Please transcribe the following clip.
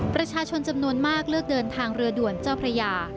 ประชาชนจำนวนมากเลือกเดินทางเรือด่วนเจ้าพระยา